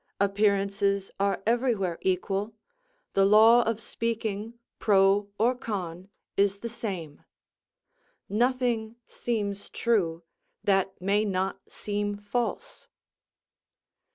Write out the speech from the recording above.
Appearances are everywhere equal; the law of speaking, pro or con, is the same. Nothing seems true, that may not seem false."